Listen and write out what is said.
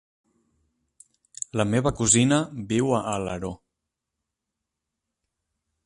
La meva cosina viu a Alaró.